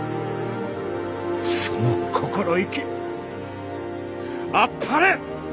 その心意気あっぱれ！